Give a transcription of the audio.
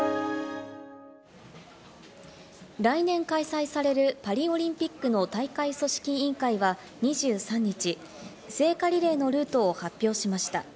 来年開催されるパリオリンピックの大会組織委員会は２３日、聖火リレーのルートを発表しました。